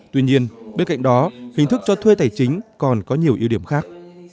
tuy nhiên bên cạnh đó hình thức cho thuê tài chính còn có nhiều ưu điểm khác